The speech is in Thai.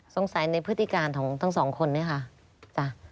สงสัยในพฤติการของทั้งสองคนเนี่ยค่ะ